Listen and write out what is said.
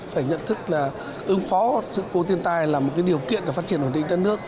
phải nhận thức là ứng phó sự cố thiên tai là một điều kiện để phát triển ổn định đất nước